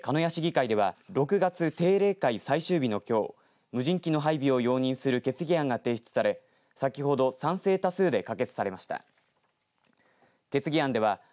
これについて鹿屋市議会では６月定例会、最終日のきょう無人機の配備を容認する決議案が提出され先ほど賛成多数で可決されました。